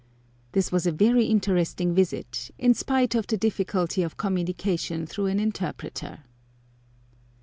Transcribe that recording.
This was a very interesting visit, in spite of the difficulty of communication through an interpreter.